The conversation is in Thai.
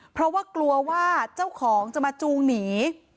เพราะว่ากลัวว่าเจ้าของจะมาจูงหนี